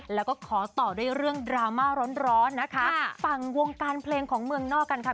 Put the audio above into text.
แล้วก็ขอต่อด้วยเรื่องดราม่าร้อนร้อนนะคะฝั่งวงการเพลงของเมืองนอกกันค่ะ